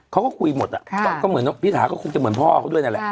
เขาก็คุยหมดอ่ะก็เหมือนพี่ถาก็คงจะเหมือนพ่อเขาด้วยนั่นแหละ